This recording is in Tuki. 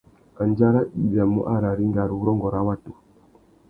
Andjara i biamú ararringa râ urrôngô râ watu.